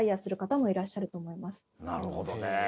なるほどね。